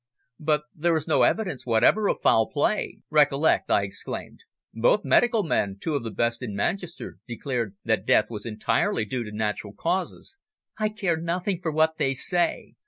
"But there is no evidence whatever of foul play, recollect," I exclaimed. "Both medical men, two of the best in Manchester, declared that death was entirely due to natural causes." "I care nothing for what they say.